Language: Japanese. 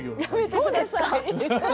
そうですか？